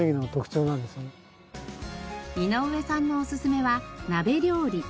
井上さんのおすすめは鍋料理。